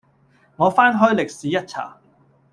我翻開歷史一查，